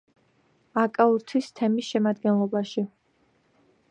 აკაურთის თემის შემადგენლობაში.